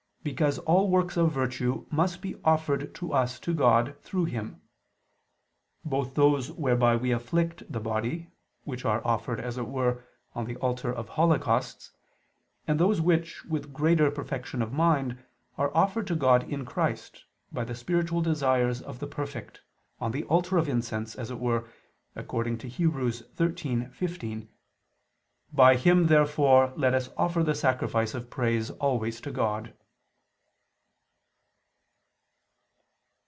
Because all works of virtue must be offered to us to God through Him; both those whereby we afflict the body, which are offered, as it were, on the altar of holocausts; and those which, with greater perfection of mind, are offered to God in Christ, by the spiritual desires of the perfect, on the altar of incense, as it were, according to Heb. 13:15: "By Him therefore let us offer the sacrifice of praise always to God."